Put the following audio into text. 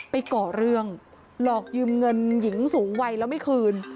ก่อเรื่องหลอกยืมเงินหญิงสูงวัยแล้วไม่คืน